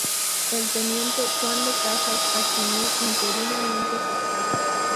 El teniente Juan de Casas asumió interinamente sus cargos.